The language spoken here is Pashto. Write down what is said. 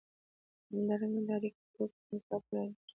همدارنګه دا اړیکې د توکو په مصرف پورې اړه لري.